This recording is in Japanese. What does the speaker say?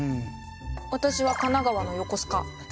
私は神奈川の横須賀。